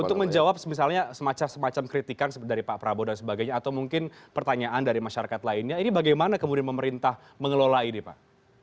untuk menjawab misalnya semacam semacam kritikan dari pak prabowo dan sebagainya atau mungkin pertanyaan dari masyarakat lainnya ini bagaimana kemudian pemerintah mengelola ini pak